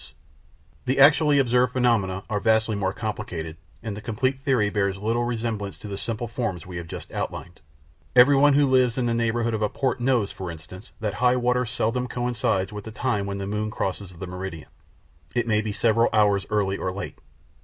_ A BIG SPRING TIDE, THE AEGIR ON THE TRENT] The actually observed phenomena are vastly more complicated, and the complete theory bears very little resemblance to the simple form we have just outlined. Everyone who lives in the neighbourhood of a port knows, for instance, that high water seldom coincides with the time when the moon crosses the meridian. It may be several hours early or late.